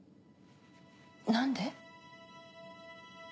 何で？